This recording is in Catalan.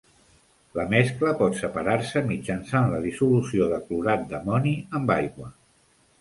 La mescla pot separar-se mitjançant la dissolució de clorat d'amoni amb aigua.